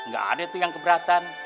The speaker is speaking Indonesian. gak ada tuh yang keberatan